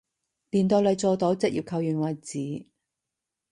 練到你做到職業球員為止